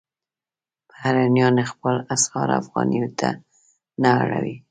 بهرنیان خپل اسعار افغانیو ته نه اړوي.